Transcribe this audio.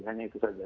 hanya itu saja